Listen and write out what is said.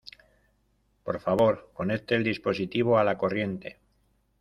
Por favor, conecte el dispositivo a la corriente.